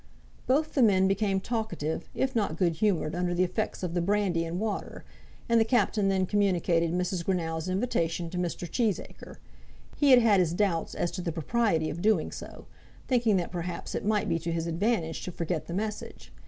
Both the men became talkative, if not good humoured, under the effects of the brandy and water, and the Captain then communicated Mrs. Greenow's invitation to Mr. Cheesacre. He had had his doubts as to the propriety of doing so, thinking that perhaps it might be to his advantage to forget the message.